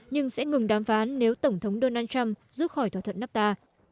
nhưng sẽ ngừng đàm phán nếu tổng thống donald trump rút khỏi thỏa thuận nafta